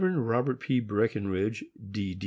Robert P. Breckenridge, D.